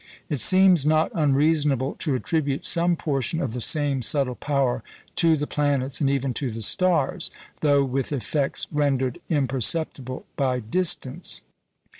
It seems not unreasonable to attribute some portion of the same subtle power to the planets and even to the stars, though with effects rendered imperceptible by distance.